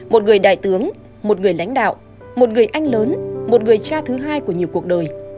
một người đại tướng một người lãnh đạo một người anh lớn một người cha thứ hai của nhiều cuộc đời